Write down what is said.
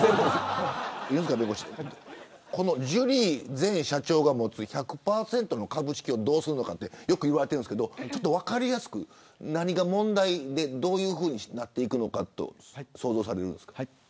犬塚弁護士ジュリー前社長が持つ１００％の株式どうするのかってよく言われていますが分かりやすく、何が問題でどういうふうになっていくのかと想像されますか。